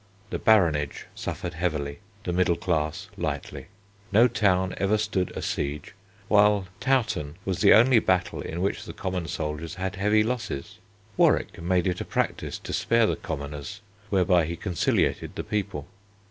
The baronage suffered heavily, the middle class lightly. No town ever stood a siege, while Towton was the only battle in which the common soldiers had heavy losses. Warwick made it a practice to spare the commoners, whereby he conciliated the people.